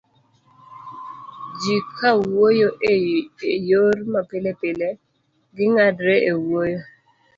ji kawuoyo e yor mapilepile, ging'adre e wuoyo